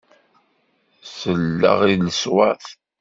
Selleɣ i leṣwat.